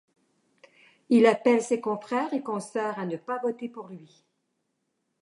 Il appelle ses confrères et consœurs à ne pas voter pour lui.